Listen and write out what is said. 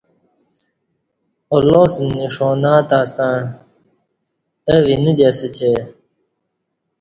اللہ ستہ نݜانہ تݩع ستݩع او اینہ اسہ چہ